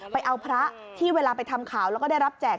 ไปเอาพระที่เวลาไปทำข่าวแล้วก็ได้รับแจก